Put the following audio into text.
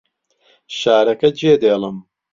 شارەکە جێدێڵم.